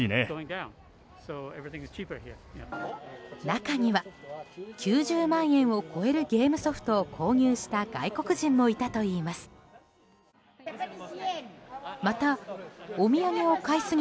中には、９０万円を超えるゲームソフトを購入した外国人もいたといいます。